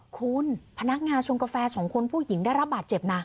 คุณพนักงานชงกาแฟสองคนผู้หญิงได้รับบาดเจ็บนะ